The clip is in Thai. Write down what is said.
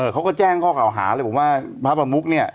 เขาก็แจ้งข้อเก่าหาเลยบอกว่าพระประมุกเนี่ย